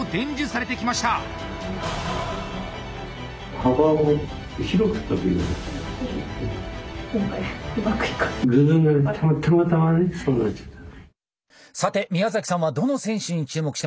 さて宮崎さんはどの選手に注目してますか？